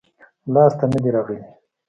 لاس ته نه دي راغلي-